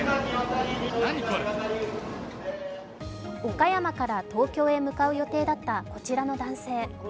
岡山から東京へ向かう予定だったこちらの男性。